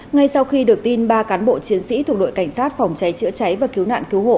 ngay sau khi được tin ba cán bộ chiến sĩ thuộc đội cảnh sát phòng cháy chữa cháy và cứu nạn cứu hộ